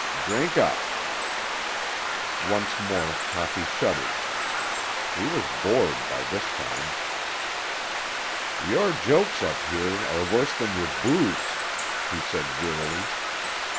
Drink up." Once more Toppy shuddered. He was bored by this time. "Your jokes up here are worse than your booze," he said wearily.